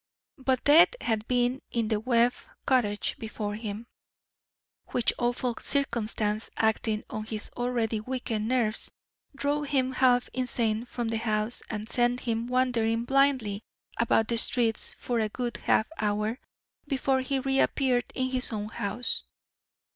But death had been in the Webb cottage before him, which awful circumstance, acting on his already weakened nerves, drove him half insane from the house and sent him wandering blindly about the streets for a good half hour before he reappeared in his own house.